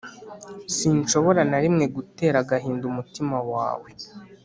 sinshobora na rimwe gutera agahinda umutima wawe